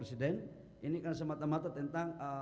presiden ini kan semata mata tentang